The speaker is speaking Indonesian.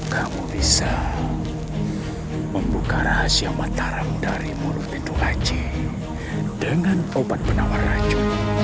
kamu bisa membuka rahasia mataramu dari mulut lutut aji dengan obat penawar raju